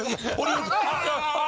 あ！